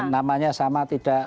namanya sama tidak